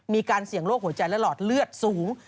มีการเสี่ยงโรคหัวใจและหลอดเลือดสูง